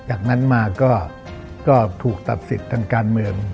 จากนั้นมาก็ถูกตัดสิทธิ์ทางการเมือง